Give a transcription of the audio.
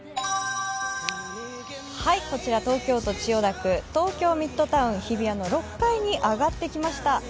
こちら東京都千代田区東京ミッドタウン日比谷の６階に上がってきました。